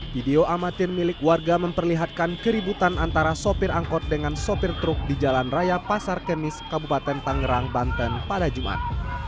video amatir milik warga memperlihatkan keributan antara sopir angkot dengan sopir truk di jalan raya pasar kemis kabupaten tangerang banten pada jumat